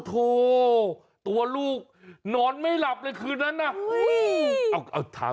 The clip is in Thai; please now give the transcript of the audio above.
โถตัวลูกนอนไม่หลับเลยคืนนั้นน่ะ